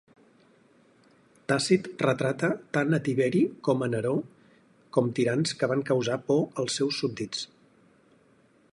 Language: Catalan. Tàcit retrata tant a Tiberi com a Neró com tirans que van causar por als seus súbdits.